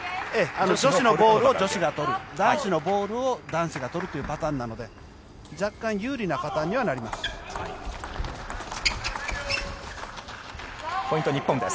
女子のボールを女子が取る男子のボールを男子が取るというパターンなので若干、有利なパターンにはなります。